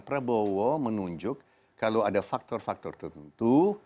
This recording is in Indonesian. prabowo menunjuk kalau ada faktor faktor tentu